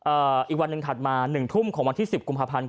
อีกวันหนึ่งถัดมาหนึ่งทุ่มของวันที่สิบกุมภาพันธ์